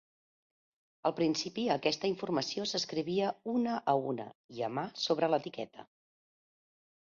Al principi, aquesta informació s'escrivia una a una i a mà sobre l'etiqueta.